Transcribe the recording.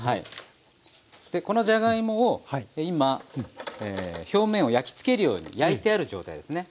このじゃがいもを今表面を焼き付けるように焼いてある状態ですね。